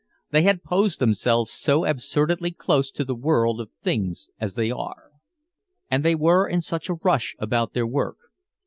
They had posed themselves so absurdly close to the world of things as they are. And they were in such a rush about their work.